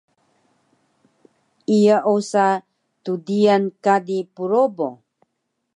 iya osa tdiyan kadi probo